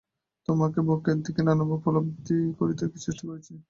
তোমাকে ভোগের দিকে নানাভাবে প্রলুব্ধ করিতে চেষ্টা করিয়াছি।